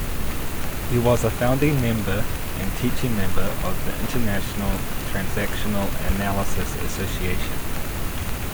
He was a founding member and teaching member of the International Transactional Analysis Association.